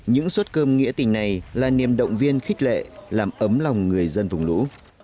những suất cơm nghĩa tình này là niềm động viên khích lệ làm ấm lòng người dân vùng lũ